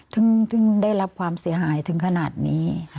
ถึงได้รับความเสียหายถึงขนาดนี้